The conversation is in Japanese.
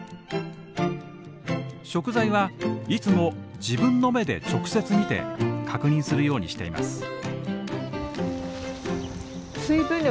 食材はいつも自分の目で直接見て確認するようにしています。